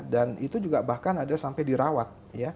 dan itu juga bahkan ada sampai dirawat